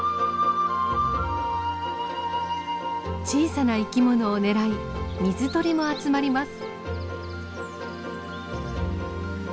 小さな生き物を狙い水鳥も集まります。